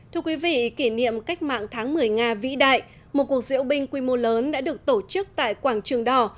thưa quý vị kỷ niệm cách mạng tháng một mươi nga vĩ đại một cuộc diễu binh quy mô lớn đã được tổ chức tại quảng trường đỏ